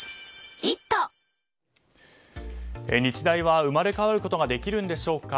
日大は生まれ変わることができるんでしょうか。